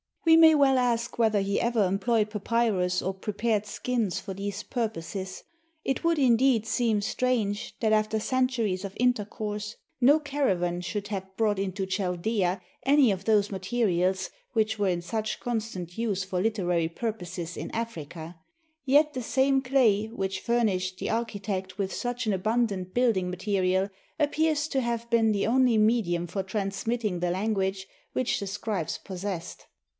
We may well ask whether he ever employed papyrus or prepared skins for these purposes. It would, indeed, seem strange that, after cen turies of intercourse, no caravan should have brought into Chaldaea any of those materials which were in such constant use for literary purposes in Africa; yet the same clay which furnished the architect with such an abundant building material appears to have been the only medium for transmitting the language which the scribes possessed.